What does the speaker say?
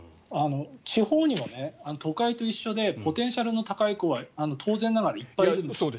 地方には都会と一緒でポテンシャルの高い子は当然ながらいっぱいいるんですよ。